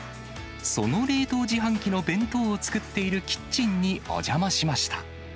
その冷凍自販機の弁当を作っているキッチンにお邪魔しました。